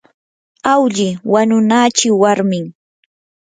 awlli wanunachi warmin.